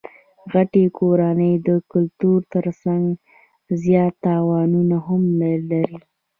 غټي کورنۍ د ګټو ترڅنګ زیات تاوانونه هم لري.